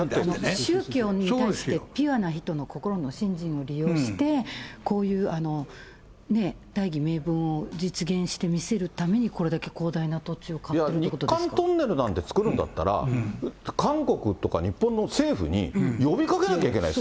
宗教に対してピュアな人の心の信心を利用して、こういう大義名分を実現して見せるためにこれだけ広大な土地を買日韓トンネルなんて作るんだったら、韓国とか日本の政府に呼びかけなきゃいけないでしょ。